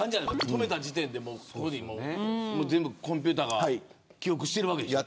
止めた時点で全部コンピューターが記憶しているわけでしょ。